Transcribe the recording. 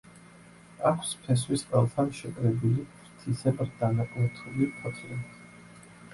აქვს ფესვის ყელთან შეკრებილი ფრთისებრ დანაკვთული ფოთლები.